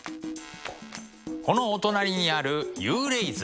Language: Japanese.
このお隣にある「幽霊図」。